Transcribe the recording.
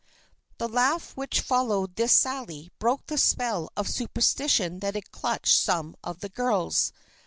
The laugh which followed this sally broke the spell of superstition that had clutched some of the girls.